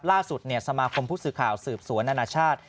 ล่าสุดสมาคมผู้สื่อข่าวสืบสวนอนาชาติ